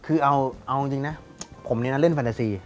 คือเอาจริงนะผมเนี่ยนะเล่นแฟนนาซี